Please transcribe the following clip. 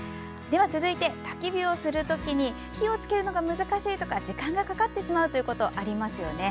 では続いて、たき火をする時に火をつけるのが難しいとか時間がかかってしまうことありますよね。